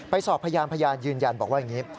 สอบพยานพยานยืนยันบอกว่าอย่างนี้